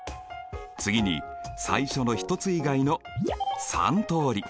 次に最初の１つ以外の３通り。